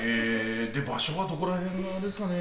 で場所はどこら辺がですかね？